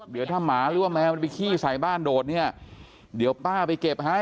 เดี๋ยวถ้าหมาหรือว่าแมวมันไปขี้ใส่บ้านโดดเนี่ยเดี๋ยวป้าไปเก็บให้